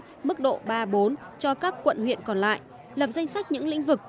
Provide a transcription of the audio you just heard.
mức độ ba bốn cho các quận huyện còn lại lập danh sách những lĩnh vực